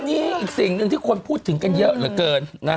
อีกสิ่งที่คนพูดถึงกันเยอะเหลือเกิน